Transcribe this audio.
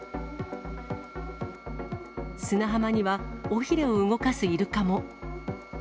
砂浜には尾ひれを動かすイルカも。